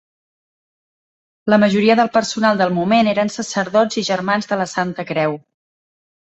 La majoria del personal del moment eren sacerdots i germans de la Santa Creu.